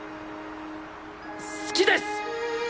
好きです！